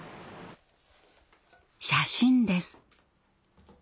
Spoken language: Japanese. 写真です。